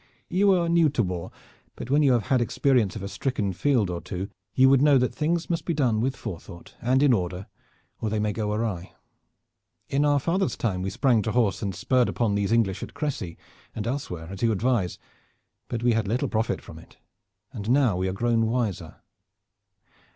You are new to war, but when you have had experience of a stricken field or two you would know that things must be done with forethought and in order or they may go awry. In our father's time we sprang to horse and spurred upon these English at Crecy and elsewhere as you advise, but we had little profit from it, and now we are grown wiser.